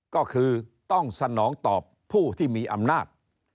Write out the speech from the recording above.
ก็คือต้องสนองตอบผู้ที่มีอำนาจ